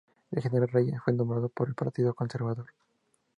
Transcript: El general Reyes fue nombrado por el partido Conservador.